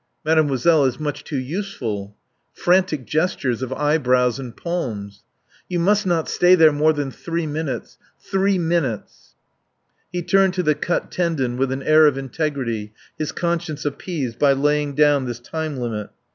"Mademoiselle is much too useful." Frantic gestures of eyebrows and palms. "You must not stay there more than three minutes. Three minutes." He turned to the cut tendon with an air of integrity, his conscience appeased by laying down this time limit.